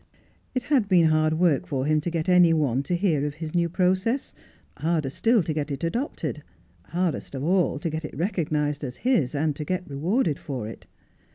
It had been hard work for him to get any one to hear of his new process, harder still to get it adopted, hardest of all to get it recognised as his, and to get rewarded for it.